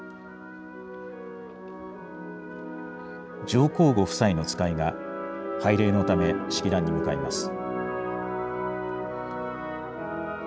上皇ご夫妻の使いが、拝礼のため、式壇に向かいます。